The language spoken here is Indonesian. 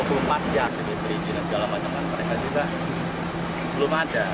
sebenarnya segala macam mereka juga belum aja